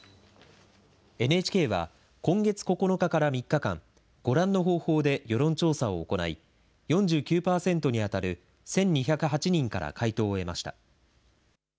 ＮＨＫは、今月９日から３日間、ご覧の方法で世論調査を行い、４９％に当たる１２０８人から回答を得ました。